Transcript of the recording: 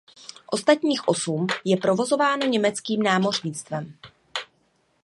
Ostatních osm je provozováno německým námořnictvem.